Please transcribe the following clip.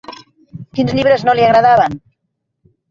Quins llibres no li agradaven?